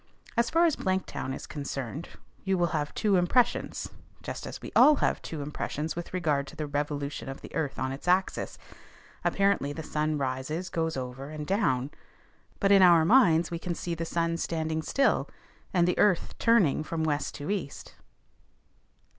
As far as Blanktown is concerned, you will have two impressions, just as we all have two impressions with regard to the revolution of the earth on its axis: apparently the sun rises, goes over and down; but in our minds we can see the sun standing still, and the earth turning from west to east.